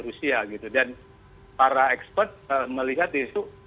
rusia gitu dan para expert melihat isu